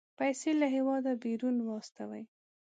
پيسې له هېواده بيرون واستوي.